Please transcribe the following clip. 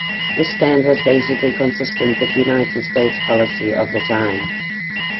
This stand was basically consistent with United States policy of the time.